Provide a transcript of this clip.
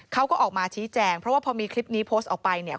เขาก็ออกมาชี้แจงเพราะว่าพอมีคลิปนี้โพสต์ออกไปเนี่ย